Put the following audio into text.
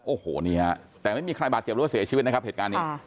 โอ้โหนี่ฮะแต่ไม่มีใครบาดเจ็บหรือว่าเสียชีวิตนะครับเหตุการณ์นี้